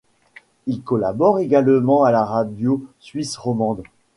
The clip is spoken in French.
Il collabore également à la Radio suisse romande.